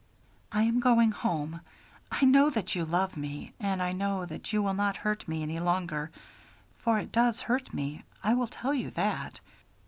"I am going home. I know that you love me, and I know that you will not hurt me any longer; for it does hurt me, I will tell you that."